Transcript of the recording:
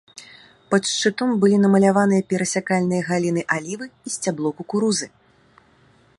Пад шчытом былі намаляваныя перасякальныя галіны алівы і сцябло кукурузы.